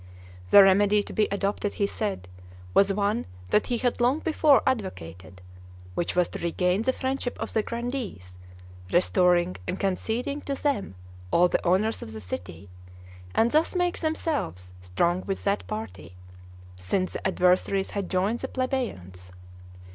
The remedy to be adopted, he said, was one that he had long before advocated, which was to regain the friendship of the grandees, restoring and conceding to them all the honors of the city, and thus make themselves strong with that party, since their adversaries had joined the plebeians.